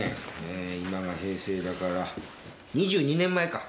えー今が平成だから２２年前か。